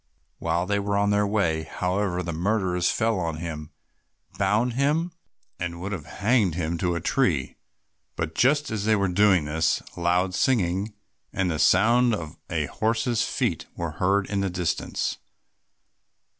While they were on their way, however, the murderers fell on him, bound him, and would have hanged him to a tree. But just as they were doing this, loud singing and the sound of a horse's feet were heard in the distance.